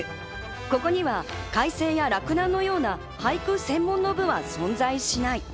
ここには開成や洛南のような俳句専門の部は存在しない。